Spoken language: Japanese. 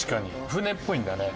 船っぽいんだね。